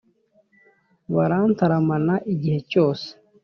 barantaramana igihe cyose.